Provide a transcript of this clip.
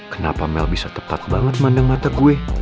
kenapa mel bisa tepat banget memandang mata gue